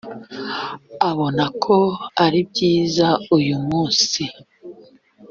abona ko ari byiza uyu munsi